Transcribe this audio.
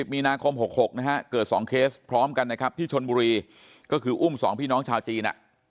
มีนาคม๖๖นะฮะเกิด๒เคสพร้อมกันนะครับที่ชนบุรีก็คืออุ้ม๒พี่น้องชาวจีน